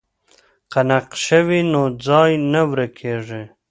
که نقشه وي نو ځای نه ورکېږي.